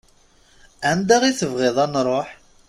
Anda i tebɣiḍ ad nruḥ?